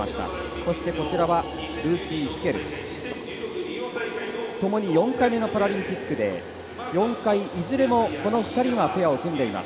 そしてルーシー・シュケルともに４回目のパラリンピックで４回いずれもこの２人がペアを組んでいます。